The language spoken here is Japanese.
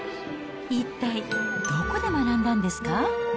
一体、どこで学んだんですか。